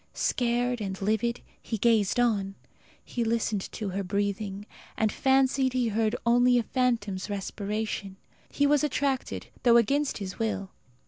Scared and livid, he gazed on. He listened for her breathing, and fancied he heard only a phantom's respiration. He was attracted, though against his will.